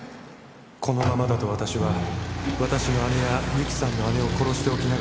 「このままだと私は私の姉やゆきさんの姉を殺しておき乍ら